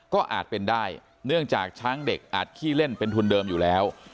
ก็อาจเป็นได้เนื่องจากช้างเด็กอาจขี้เล่นเป็นทุนเดิมอยู่แล้ว